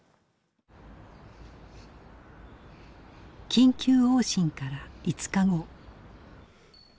緊急往診から５日後。